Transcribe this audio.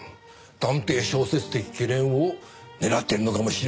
探偵小説的けれんを狙っているのかもしれないだろ。